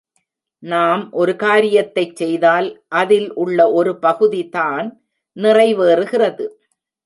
நாம் ஒரு காரியத்தைச் செய்தால் அதில் உள்ள ஒரு பகுதி தான் நிறைவேறுகிறது.